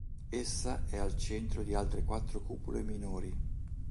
Essa è al centro di altre quattro cupole minori.